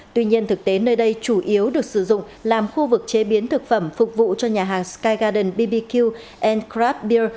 tuy nhiên thực tế nơi đây chủ yếu được sử dụng làm khu vực chế biến thực phẩm phục vụ cho nhà hàng sky garden bbq anbier